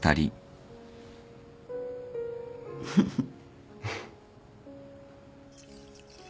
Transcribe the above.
フフッ。